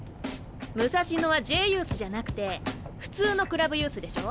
武蔵野はＪユースじゃなくて普通のクラブユースでしょ？